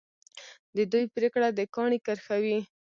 د دوی پرېکړه د کاڼي کرښه وي.